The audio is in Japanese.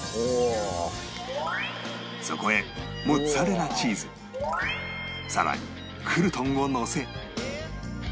そこへモッツァレラチーズ更にクルトンをのせ